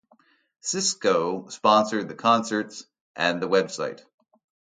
Cisco sponsored the concerts and the web site.